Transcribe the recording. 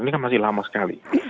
ini kan masih lama sekali